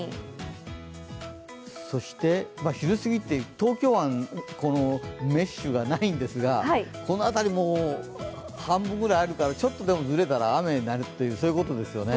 東京湾、メッシュがないんですがこの辺りも、半分ぐらいあるからちょっとでもずれたら雨になるということですよね。